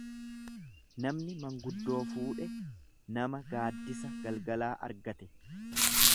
Namni manguddoo fuudhe nama gaaddisa galgalaa argate.